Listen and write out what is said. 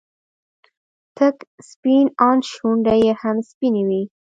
تک سپين ان شونډې يې هم سپينې وې.